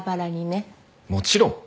もちろん。